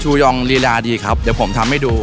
ยองลีลาดีครับเดี๋ยวผมทำให้ดู